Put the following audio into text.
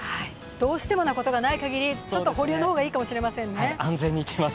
どうしてもなことがないかぎりちょっと保留の方がいいかもしれません。